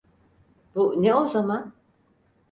Bu ne o zaman?